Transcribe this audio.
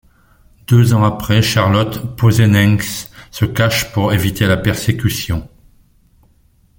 Deux ans après, Charlotte Posenenske se cache pour éviter la persécution.